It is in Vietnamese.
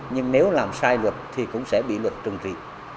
nhưng nếu làm sai luật thì cũng sẽ bị luật trừng trị